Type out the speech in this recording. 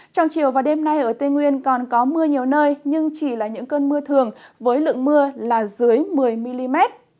trong chiều và đêm nay ở tây nguyên còn có mưa nhiều nơi nhưng chỉ là những cơn mưa thường với lượng mưa là dưới một mươi mm